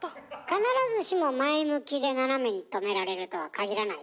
必ずしも前向きで斜めにとめられるとは限らないでしょ？